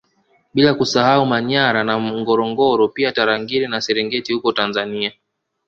Bila kusahau Manyara na Ngorongoro pia Tarangire na Serengeti huko Tanzania